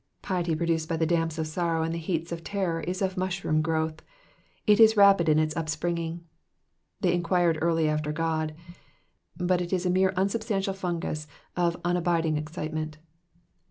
Piety produced by the damps of sorrow and the heats of terror is of mushroom growth ; it is rapid in its upspringing —they enquired early after God *'— but it is a mere unsul)stantial fungus of unabiding excitement.